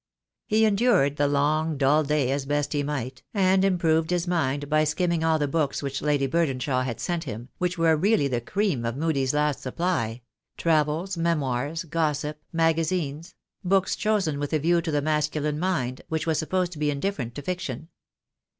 He endured the long, dull day as best he might, and improved his mind by skimming all the books which Lady Burdenshaw had sent him, which were really the cream of Mudie's last supply — travels, memoirs, gossip, magazines — books chosen with a view to the masculine mind, which was supposed to be indifferent to fiction.